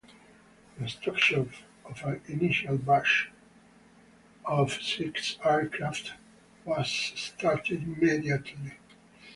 Construction of an initial batch of six aircraft was started immediately.